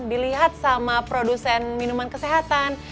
dilihat sama produsen minuman kesehatan